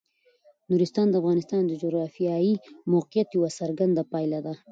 نورستان د افغانستان د جغرافیایي موقیعت یوه څرګنده پایله ده.